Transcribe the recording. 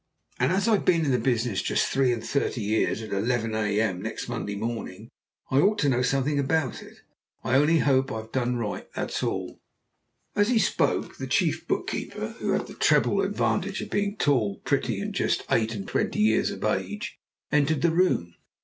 "And as I've been in the business just three and thirty years at eleven a.m. next Monday morning, I ought to know something about it. I only hope I've done right, that's all." As he spoke, the chief bookkeeper, who had the treble advantage of being tall, pretty, and just eight and twenty years of age, entered the room.